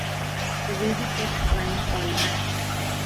The baby kept crying all night.